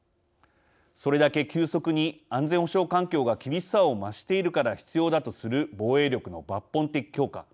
それだけ急速に安全保障環境が厳しさを増しているから必要だとする防衛力の抜本的強化。